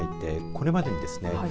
これまでにですね